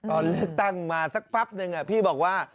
ตอนเลือกตั้งมาสักแป๊บนึงพี่บอกว่า